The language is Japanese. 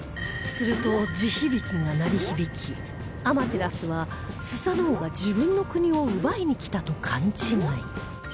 すると地響きが鳴り響きアマテラスはスサノオが自分の国を奪いに来たと勘違い